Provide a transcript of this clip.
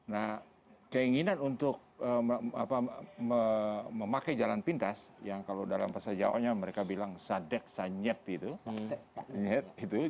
nah keinginan untuk memakai jalan pintas yang kalau dalam bahasa jawa nya mereka bilang sadek sanyet gitu